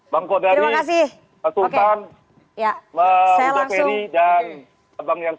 bang kodani pak sultan bang yudha peri dan bang yansen